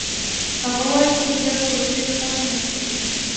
هغه وايي چاپېریال د روژې لپاره مناسب دی.